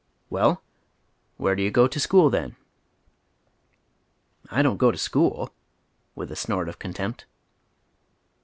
" Well, where do yoii go to scliooi, then ?"" I don't go to school," with a snort of contempt.